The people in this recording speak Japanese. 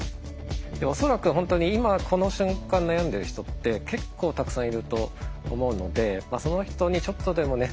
恐らく本当に今この瞬間悩んでる人って結構たくさんいると思うのでその人にちょっとでもね